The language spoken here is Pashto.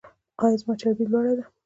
ایا زما چربي لوړه ده؟